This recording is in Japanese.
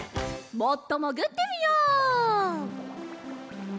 もっともぐってみよう。